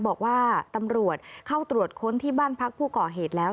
บอกว่าตำรวจเข้าตรวจค้นที่บ้านพักผู้ก่อเหตุแล้ว